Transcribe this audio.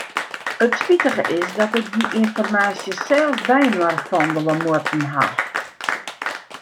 It spitige is dat ik dy ynformaasje sels byinoar fandelje moatten haw.